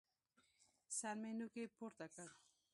سر مې نوکى پورته کړ.